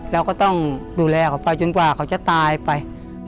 เราก็ต้องดูแลเขาไปจนกว่าเขาจะตายไป